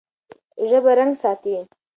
ژبه رنګ ساتي.